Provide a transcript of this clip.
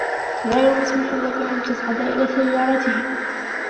غير مسموح لك أن تصعد إلى سيارته.